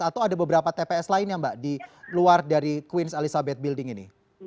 atau ada beberapa tps lainnya mbak di luar dari queens elizabeth building ini